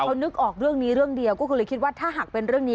เขานึกออกเรื่องนี้เรื่องเดียวก็เลยคิดว่าถ้าหากเป็นเรื่องนี้